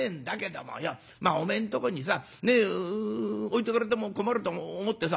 おめえんとこにさ置いとかれても困ると思ってさ